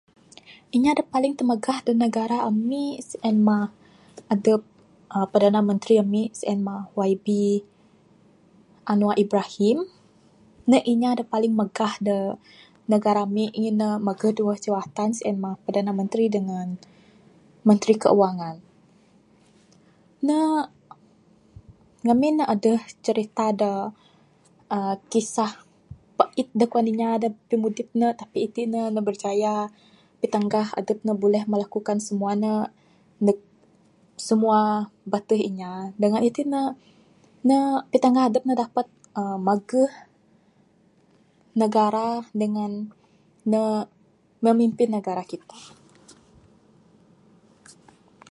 Inya da paling timagah da negara ami sien mah adep uhh perdana menteri ami sien mah YB Annuar Ibrahim, ne inya da paling magah da negara ami ngin ne mageh duweh jawatan sien mah perdana menteri dengen menteri kewangan. Ne ngamin ne adeh crita da uhh kisah pait da kuan inya da pimudip ne tapi itin ne ne berjaya pitanggah adep ne buleh melakukan semua ne neg semua bateh inya, dengan itin ne ne pitanggah adep ne dapet uhh mageh negara dengan ne memimpin negara kita.